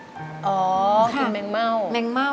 ทั้งในเรื่องของการทำงานเคยทำนานแล้วเกิดปัญหาน้อย